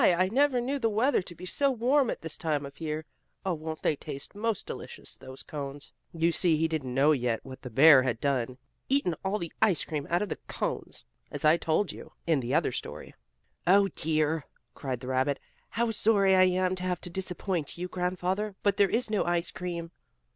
I never knew the weather to be so warm at this time of the year. Oh, won't they taste most delicious those cones!" You see he didn't yet know what the bear had done eaten all the ice cream out of the cones, as I told you in the other story. "Oh, dear!" cried the rabbit. "How sorry I am to have to disappoint you, Grandfather, but there is no ice cream!"